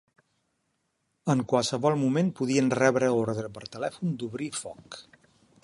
En qualsevol moment podien rebre ordre per telèfon d'obrir foc